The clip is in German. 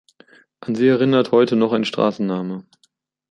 An sie erinnert heute noch ein Straßenname.